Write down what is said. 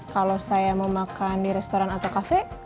kalau saya mau makan di restoran atau kafe